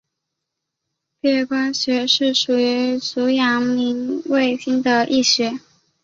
髀关穴是属于足阳明胃经的腧穴。